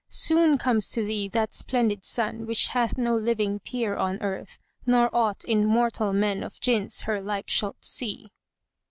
Soon comes to thee that splendid sun which hath no living peer * On earth, nor aught in mortal men or Jinns her like shalt see."